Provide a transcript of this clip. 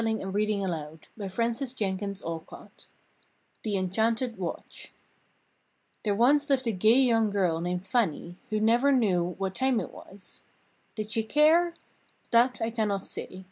Madame Le Prince de Beaumont THE ENCHANTED WATCH There once lived a gay young girl named Fannie, who never knew what time it was. Did she care? That I cannot say.